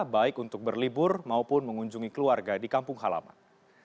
baik untuk berlibur maupun mengunjungi keluarga di kampung halaman